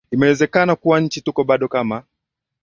imeweza kuwa nchi tuko bado kama